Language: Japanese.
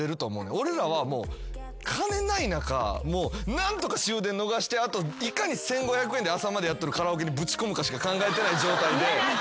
俺らは金ない中何とか終電逃してあといかに１，５００円で朝までやっとるカラオケにぶち込むかしか考えてない状態で。